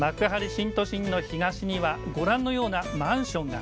新都心の東にはご覧のようなマンションが。